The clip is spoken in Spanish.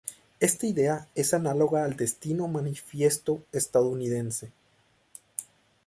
Esta idea es análoga al Destino manifiesto estadounidense.